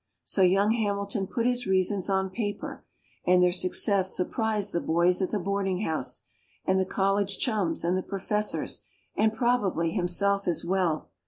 So young Hamilton put his reasons on paper, and their success surprised the boys at the boarding house, and the college chums and the professors, and probably himself as well.